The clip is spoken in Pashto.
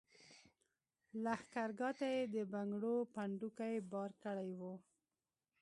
لښګرګاه ته یې د بنګړو پنډوکي بار کړي وو.